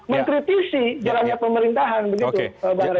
mengkritisi jalannya pemerintahan begitu bang rey